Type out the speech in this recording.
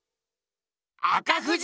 赤富士！